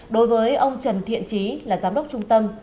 đối với ông trần thiện trí là giám đốc trung tâm